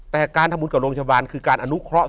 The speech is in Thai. แต่การทำบุญกับโรงพยาบาลคือการอนุเคราะห์